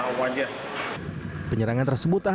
penyerangan tersebut tak hanya mengatasi penyelundup